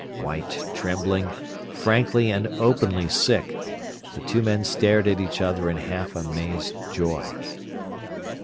White, trembling, frankly and openly sick, the two men stared at each other in half amazed joy.